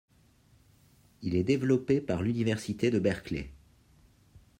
Il est développé par l'université de Berkeley.